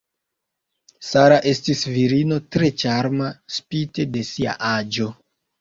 Sara estis virino tre ĉarma spite de sia aĝo.